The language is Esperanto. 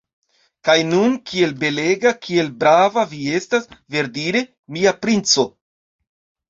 Kaj nun kiel belega, kiel brava vi estas, verdire, mia princo!